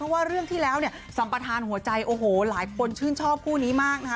ว่าเรื่องที่แล้วเนี่ยสัมปทานหัวใจโอ้โหหลายคนชื่นชอบคู่นี้มากนะคะ